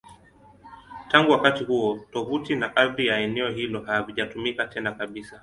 Tangu wakati huo, tovuti na ardhi ya eneo hilo havijatumika tena kabisa.